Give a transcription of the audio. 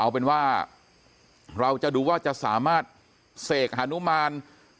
เอาเป็นว่าเราจะดูว่าจะสามารถเสกฮานุมาน